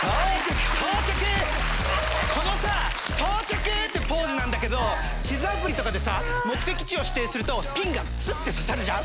このさ「到着！」ってポーズなんだけど地図アプリとかでさ目的地を指定するとピンがスッて刺さるじゃん。